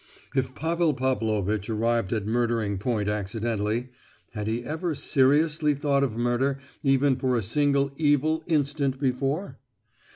If Pavel Pavlovitch arrived at murdering point accidentally, had he ever seriously thought of murder even for a single evil instant before?